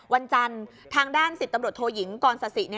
วันจันทร์ทางด้านศิษย์ตำรวจโทหยิงกรณ์ศาสิ